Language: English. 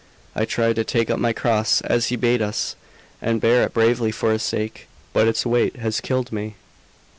I tried to take up my cross, as He bade us, and bear it bravely for His sake; but its weight has killed me."